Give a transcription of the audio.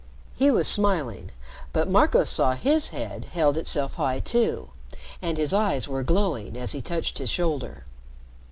He was smiling, but Marco saw his head held itself high, too, and his eyes were glowing as he touched his shoulder.